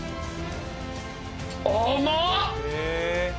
甘っ！